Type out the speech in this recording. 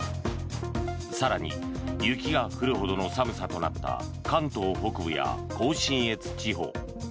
更に雪が降るほどの寒さとなった関東北部や甲信越地方。